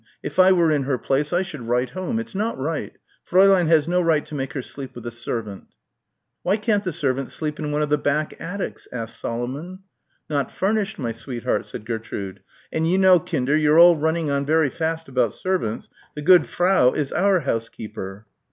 If I were in her place I should write home. It's not right. Fräulein has no right to make her sleep with a servant." "Why can't the servant sleep in one of the back attics?" asked Solomon. "Not furnished, my sweetheart," said Gertrude, "and you know Kinder you're all running on very fast about servants the good Frau is our housekeeper."